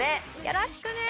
よろしくね！